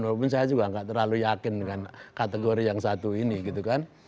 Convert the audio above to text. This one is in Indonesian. walaupun saya juga nggak terlalu yakin dengan kategori yang satu ini gitu kan